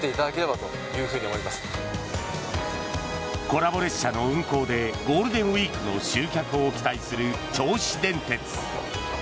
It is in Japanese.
コラボ列車の運行でゴールデンウィークの集客を期待する銚子電鉄。